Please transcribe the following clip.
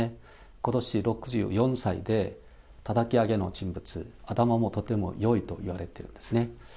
ことし６４歳で、たたき上げの人物、頭もとてもよいといわれてるんですね。